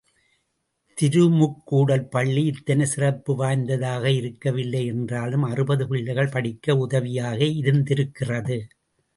திருமுக்கூடல் பள்ளி இத்தனைச் சிறப்பு வாய்ந்ததாக இருக்கவில்லை என்றாலும் அறுபது பிள்ளைகள் படிக்க உதவியாக இருந்திருக்கிறது.